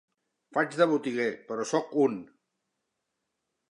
Faig de botiguer, però soc un.